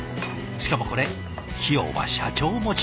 しかもこれ費用は社長持ち。